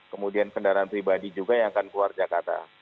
kemudian kendaraan pribadi juga yang akan keluar jakarta